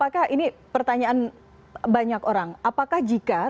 ilaks pertanya ini siapa tom hacew tu nampakdi eu akkor